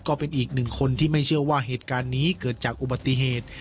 ก็เป็นอีกหนึ่งคนที่ไม่เชื่อว่าเหตุการณ์นี้เกิดจากอุบัติเหตุ